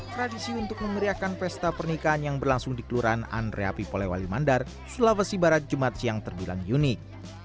tradisi untuk memeriahkan pesta pernikahan yang berlangsung di kelurahan andreapi polewali mandar sulawesi barat jumat siang terbilang unik